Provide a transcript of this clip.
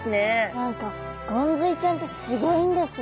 何かゴンズイちゃんってすごいんですね。